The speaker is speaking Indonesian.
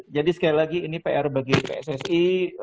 jadi sekali lagi ini pr bagi pssi